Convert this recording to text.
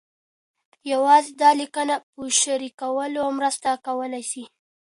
یوازې د لینک په شریکولو مرسته کولای سئ.